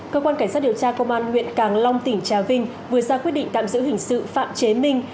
cơ quan cảnh sát điều tra công an huyện càng long tỉnh trà vinh vừa ra quyết định tạm giữ hình sự phạm chế minh